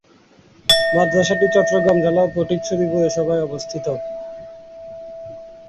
মাদ্রাসাটি চট্টগ্রাম জেলার ফটিকছড়ি পৌরসভায় অবস্থিত।